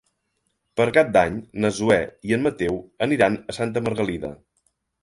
Per Cap d'Any na Zoè i en Mateu aniran a Santa Margalida.